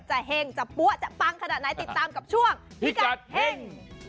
เห็งจะปั๊วจะปังขนาดไหนติดตามกับช่วงพิกัดเฮ่ง